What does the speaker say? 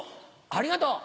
ありがとう！